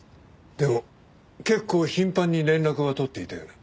でも結構頻繁に連絡は取っていたよね？